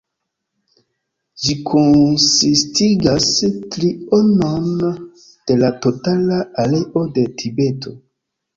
Ĝi konsistigas trionon de la totala areo de Tibeto.